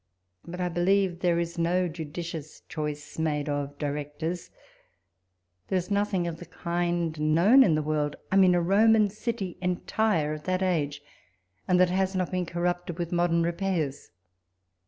But I believe there is no judicious choice made of directors. There is nothing of the kind known in the world ; I mean a Roman city enlire of that age, and that has not been corrupted with modern repairs.